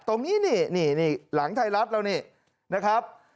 ตรงนี้นี่หลังไทยรัฐแล้วนี่นะครับ